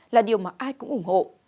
là điều mà ai cũng ủng hộ